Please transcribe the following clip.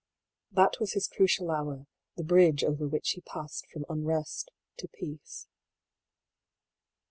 " That was his crucial hour, the bridge over which he passed from unrest to peace.